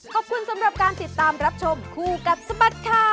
ขอบคุณสำหรับการติดตามรับชมคู่กับสบัดข่าว